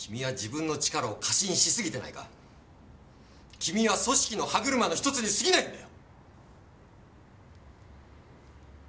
君は組織の歯車のひとつに過ぎないんだよ！